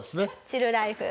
チルライフ。